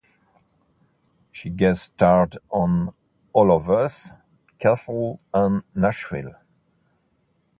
She guest starred on "All of Us", "Castle" and "Nashville".